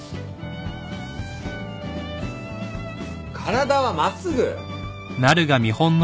体は真っすぐ！